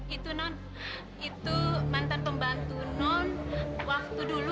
itu non itu mantan pembantu non waktu dulu